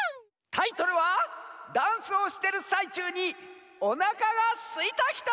タイトルは「ダンスをしてるさいちゅうにおなかがすいたひと」！